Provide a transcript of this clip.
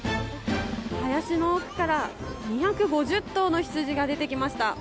林の奥から２５０頭のヒツジが出てきました。